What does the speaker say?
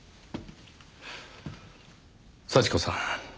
幸子さん。